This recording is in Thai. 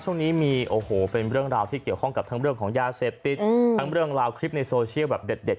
ช่วงนี้มีเป็นเรื่องราวที่เกี่ยวของของยาเสพติดทั้งราวคริปในโซเชียแบบเด็ด